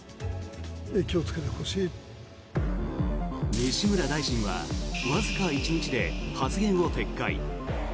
西村大臣はわずか１日で発言を撤回。